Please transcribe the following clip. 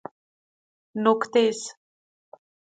نوک تیز